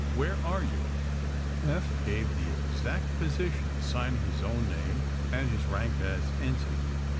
'^ Where are you I" Eph gave the exact position, signing his own name and his rank as ensign.